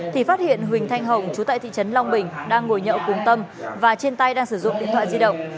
thì phát hiện huỳnh thanh hồng chú tại thị trấn long bình đang ngồi nhậu cùng tâm và trên tay đang sử dụng điện thoại di động